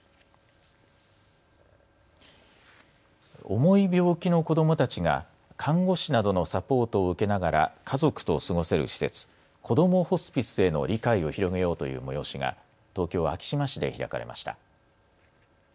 重い病気の子どもたちが看護師などのサポートを受けながら家族と過ごせる施設、こどもホスピスへの理解を広げようという催しが東京昭島市で開かれました。